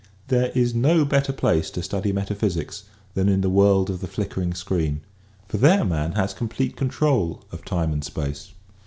There is no better place to study metaphysics than in the world of the flickering screen, for there man has complete control of time and space.